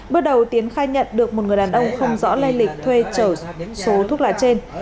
bước đầu tiến khai nhận được một người đàn ông không rõ lây lịch thuê trở số thuốc lá trên